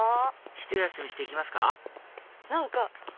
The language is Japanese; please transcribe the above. ひと休みして行きますか？